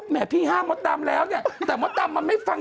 พี่ห้ามมดดำแล้วเนี่ยแต่มดดำมันไม่ฟัง